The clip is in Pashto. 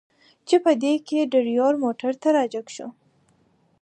چې په دې کې ډریور موټر ته را جګ شو.